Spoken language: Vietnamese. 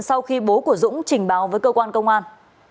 sau khi bố của dũng trình báo với cơ quan công an